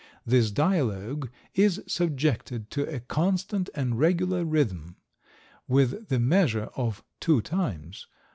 This dialogue is subjected to a constant and regular rhythm, with the measure of two times.